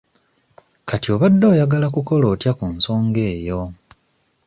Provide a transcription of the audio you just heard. Kati obadde oyagala kukola otya ku nsonga eyo?